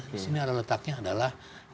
di sini ada letaknya adalah